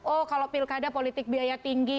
oh kalau pilkada politik biaya tinggi